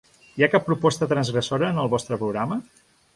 Hi ha cap proposta transgressora en el vostre programa?